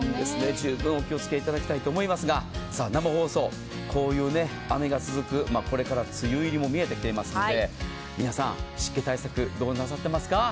十分お気をつけいただきたいと思いますが生放送、こういう雨が続くこれから梅雨入りも見えてきていますので皆さん、湿気対策どうなさっていますか？